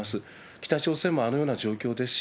北朝鮮もあのような状況ですし。